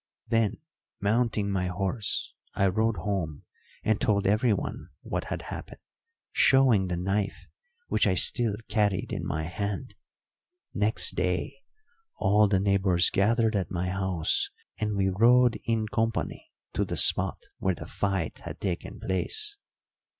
"Then, mounting my horse, I rode home and told everyone what had happened, showing the knife, which I still carried in my hand. Next day all the neighbours gathered at my house, and we rode in company to the spot where the fight had taken place.